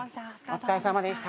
お疲れさまです。